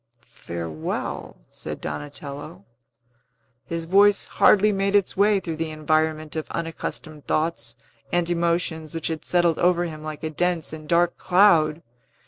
"Farewell," said Donatello. His voice hardly made its way through the environment of unaccustomed thoughts and emotions which had settled over him like a dense and dark cloud.